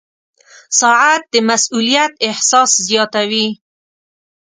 • ساعت د مسؤولیت احساس زیاتوي.